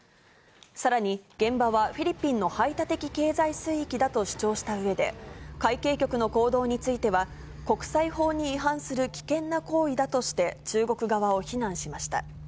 さらに現場はフィリピンの排他的経済水域だと主張したうえで、海警局の行動については、国際法に違反する危険な行為だとして、中国側を非難しました。